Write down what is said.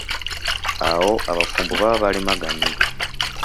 Awo abafumbo baba balemaganye.